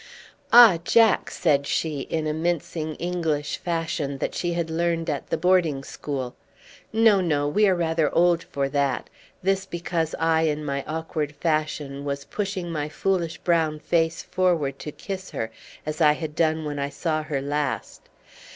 "Ah! Jack," said she, in a mincing English fashion, that she had learned at the boarding school. "No, no, we are rather old for that" this because I in my awkward fashion was pushing my foolish brown face forward to kiss her, as I had done when I saw her last.